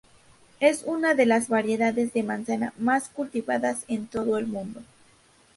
Es una de las variedades de manzana más cultivadas en todo el mundo.